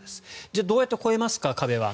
じゃあ、どうやって壁は越えますか。